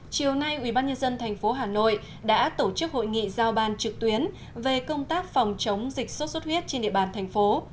chiều nay ubnd tp hà nội đã tổ chức hội nghị giao ban trực tuyến về công tác phòng chống dịch sốt xuất huyết trên địa bàn thành phố